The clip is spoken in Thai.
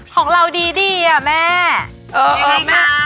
ของเราดีดีอ่ะแม่เออเออแม่